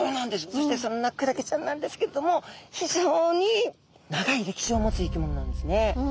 そしてそんなクラゲちゃんなんですけれども非常に長い歴史を持つ生き物なんですね。